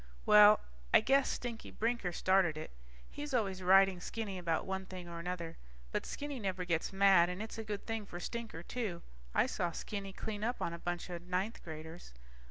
Well, I guess Stinker Brinker started it. He's always riding Skinny about one thing or another, but Skinny never gets mad and it's a good thing for Stinker, too. I saw Skinny clean up on a bunch of ninth graders